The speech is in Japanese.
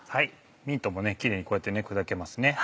ミントもキレイにこうやって砕けますね。